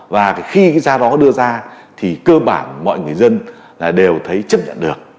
và khi cái giá đó đưa ra thì cơ bản mọi người dân đều thấy chấp nhận được